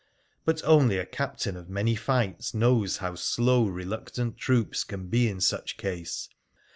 But only a captain of many fights knows how slow reluctant troops can be in such case.